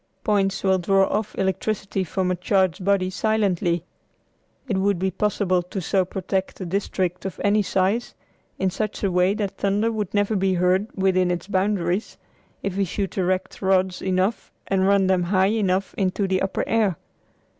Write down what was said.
Points will draw off electricity from a charged body silently. It would be possible to so protect a district of any size in such a way that thunder would never be heard within its boundaries if we should erect rods enough and run them high enough into the upper air.